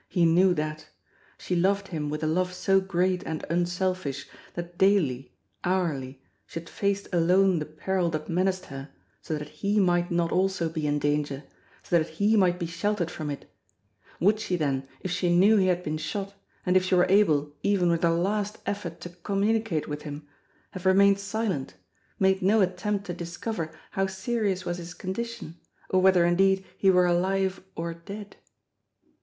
He knew that. She loved him with a love so great and unselfish that daily, hourly she had faced alone the peril that menaced her so that he might not also be in danger, so that he might be sheltered from it. 224 JIMMIE DALE AND THE PHANTOM CLUE Would she then, if she knew he had been shot, and if she were able even with her last effort to communicate with him, have remained silent, made no attempt to discover how seri ous was his condition, or whether indeed he were alive or dead?